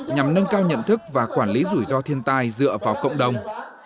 nhằm nâng cao nhận thức và quản lý rủi ro thiên tai dựa vào cộng đồng